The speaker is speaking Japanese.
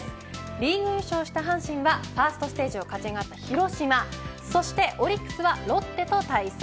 リーグ優勝した阪神はファーストステージを勝ち上がった広島そしてオリックスはロッテと対戦。